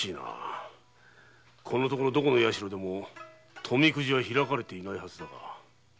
このところどこの神社でも富くじは開かれていないはずだが。